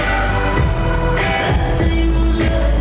สวัสดีครับ